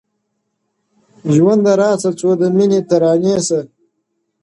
• ژونده راسه څو د میني ترانې سه,